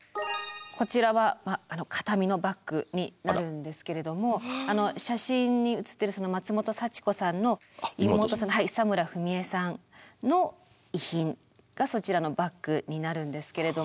こちらは形見のバッグになるんですけれども写真に写っているその松本幸子さんの妹さんの久村文枝さんの遺品がそちらのバッグになるんですけれども。